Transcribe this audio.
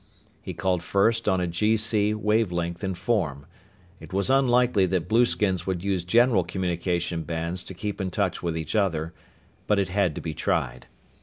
He called first on a GC wave length and form. It was unlikely that blueskins would use general communication bands to keep in touch with each other, but it had to be tried.